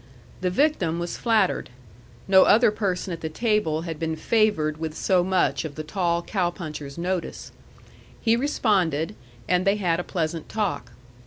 The victim was flattered. No other person at the table had been favored with so much of the tall cow puncher's notice. He responded, and they had a pleasant talk.